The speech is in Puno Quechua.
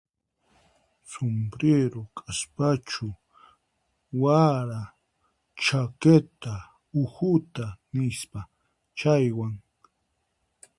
Sumpriru, q'aspachu, wara, chaketa uhuta nispa chaywan.